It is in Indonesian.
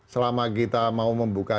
selama kita mau membuka